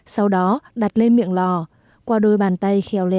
sau đó đặt lên miệng lò qua đôi bàn tay khéo le